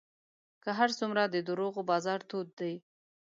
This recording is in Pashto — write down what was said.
که هر څومره د دروغو بازار تود دی